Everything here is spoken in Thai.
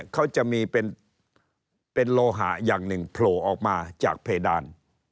เขาจะมีเป็นโลหะอย่างหนึ่งโผล่ออกมาจากเพดาน